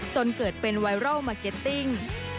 จนเกิดเป็นไวรัลมาร์เก็ตติ้ง